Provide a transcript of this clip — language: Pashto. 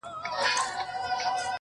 زما ټول ځان نن ستا وه ښكلي مخته سرټيټوي.